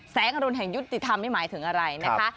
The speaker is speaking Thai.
อรุณแห่งยุติธรรมไม่หมายถึงอะไรนะคะ